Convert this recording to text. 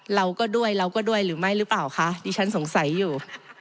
เราก็ด้วยเราก็ด้วยหรือไม่หรือเปล่าคะดิฉันสงสัยอยู่